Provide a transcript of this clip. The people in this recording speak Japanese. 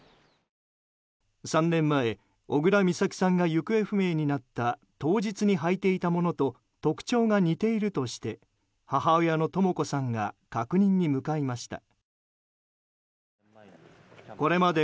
３年前、小倉美咲さんが行方不明になった当日にはいていたものと特徴が似ているとして母親のとも子さんが確認に向かいました。